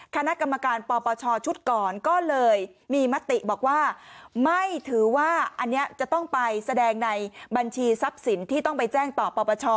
คณะกรรมการปปชชุดก่อนก็เลยมีมติบอกว่าไม่ถือว่าอันนี้จะต้องไปแสดงในบัญชีทรัพย์สินที่ต้องไปแจ้งต่อปปช